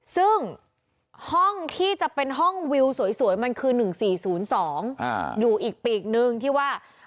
ซึ่งห้องที่จะเป็นห้องวิวสวยมันคือ๑๔๐๒อยู่อีกปีกนึงที่ว่า